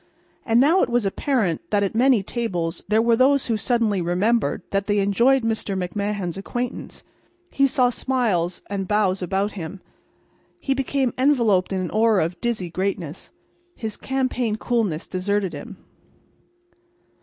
And now it was apparent that at many tables there were those who suddenly remembered that they enjoyed Mr. McMahan's acquaintance. He saw smiles and bows about him. He became enveloped in the aura of dizzy greatness. His campaign coolness deserted him.